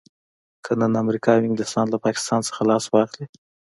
که نن امريکا او انګلستان له پاکستان څخه لاس واخلي.